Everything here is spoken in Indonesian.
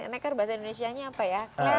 nekar bahasa indonesia nya apa ya